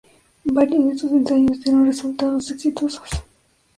Varios de estos ensayos dieron resultados exitosos.